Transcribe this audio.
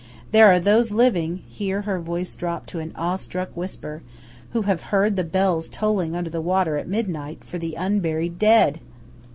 There are those living" (here her voice dropped to an awe struck whisper) "who have heard the bells tolling under the water at midnight for the unburied dead!"